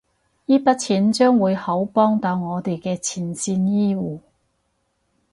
依筆錢將會好幫到我哋嘅前線醫護